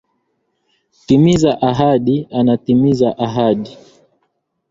Timiza ahadi anatimiza ahadi.